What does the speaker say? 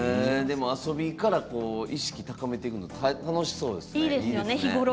遊びながら意識を高めていくの楽しそうですね。